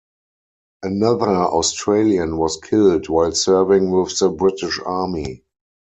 Another Australian was killed while serving with the British Army.